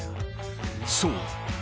［そう。